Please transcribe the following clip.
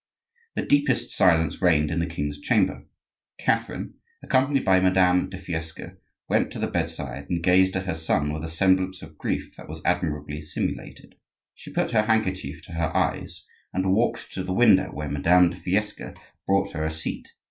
The deepest silence reigned in the king's chamber. Catherine, accompanied by Madame de Fiesque, went to the bedside and gazed at her son with a semblance of grief that was admirably simulated. She put her handkerchief to her eyes and walked to the window where Madame de Fiesque brought her a seat.